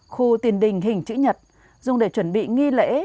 khu tiền đình hình chữ nhật dùng để chuẩn bị nghi lễ